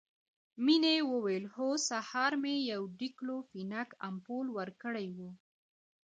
مينې وويل هو سهار مې يو ډيکلوفينک امپول ورکړى و.